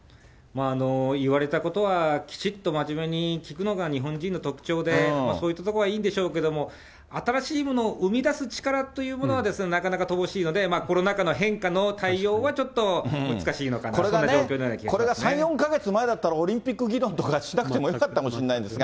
言われたことはきちっと真面目に聞くのが日本人の特徴で、そういったところはいいんでしょうけども、新しいものを生み出す力というものは、なかなか乏しいので、コロナ禍の変化の対応はちょっと、難しいのかなと、これがね、これが３、４か月前だったら、オリンピック議論とかしなくてもよかったんですが。